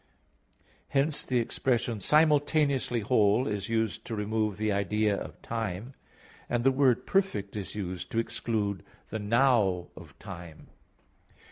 Hence the expression "simultaneously whole" is used to remove the idea of time, and the word "perfect" is used to exclude the "now" of time.